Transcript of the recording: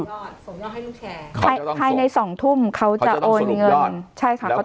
ส่งยอดส่งยอดให้ลูกแชร์ใครในสองทุ่มเขาจะโอนเงินใช่ค่ะ